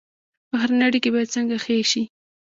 بهرنۍ اړیکې باید څنګه ښې شي؟